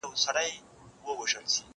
او نه اوري او نه پوهېږي.